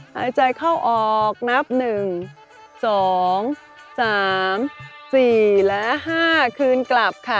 หายใจเข้าออกนับ๑๒๓๔และ๕คืนกลับค่ะ